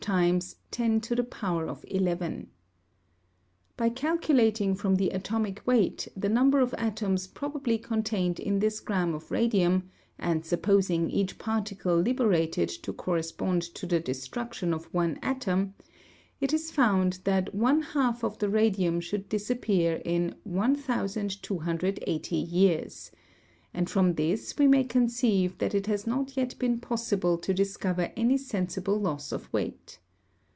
By calculating from the atomic weight the number of atoms probably contained in this gramme of radium, and supposing each particle liberated to correspond to the destruction of one atom, it is found that one half of the radium should disappear in 1280 years; and from this we may conceive that it has not yet been possible to discover any sensible loss of weight.